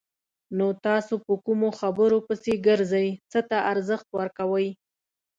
نو تاسو په کومو خبرو پسې ګرځئ! څه ته ارزښت ورکوئ؟